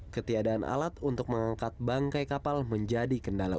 ketiadaan alat untuk mengangkat bangkai kapal menjadi kendala